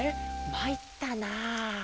まいったな。